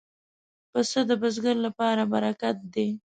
پسه د بزګر لپاره برکت دی.